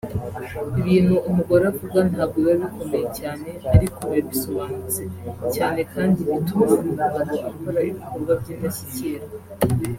Ibintu umugore avuga ntabwo biba bikomeye cyane ariko biba bisobanutse cyane kandi bituma umugabo akora ibikorwa by’indashyikirwa